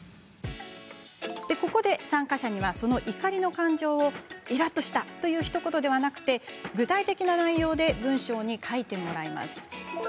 ここで、参加者にはその怒りの感情をイラっとしたという、ひと言ではなく具体的な内容で文章に書いてもらいます。